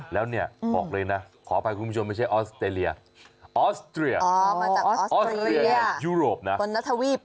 แล้วเนี่ยบอกเลยนะขออภัยคุณผู้ชมไม่ใช่ออสเตรเลียออสเตรเลียออสเตรเลียออสเตรเลีย